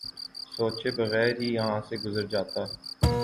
سوچے بغیر ہی یہاں سے گزر جاتا